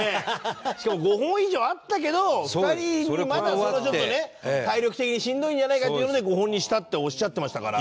しかも５本以上あったけど２人まだそれはちょっとね体力的にしんどいんじゃないかっていうので５本にしたっておっしゃってましたから。